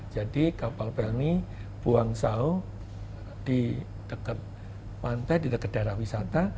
jadi kapal penny buang saw di dekat pantai di dekat daerah wisata